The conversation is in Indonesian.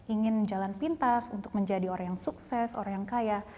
ingin jalan pintas untuk menjadi orang yang sukses orang yang kaya